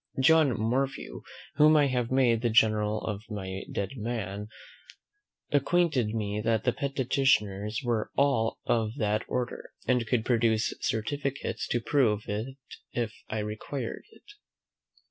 John Morphew, whom I have made the general of my dead men, acquainted me that the petitioners were all of that order, and could produce certificates to prove it if I required it.